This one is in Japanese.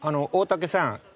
大竹さん